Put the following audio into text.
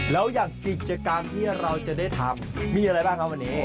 แล้วอย่างกิจกรรมที่เราจะได้ทำมีอะไรบ้างครับวันนี้